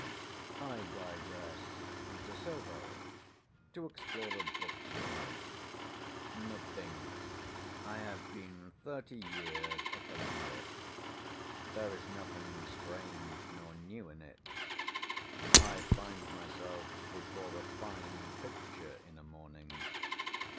I digress into Soho, to explore a book stall. Methinks I have been thirty years a collector. There is nothing strange nor new in it. I find myself before a fine picture in a morning.